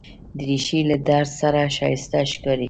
دریشي له درز سره ښایسته ښکاري.